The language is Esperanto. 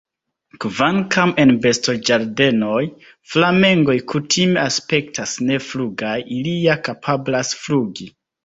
Kvankam en bestoĝardenoj, flamengoj kutime aspektas neflugaj, ili ja kapablas flugi.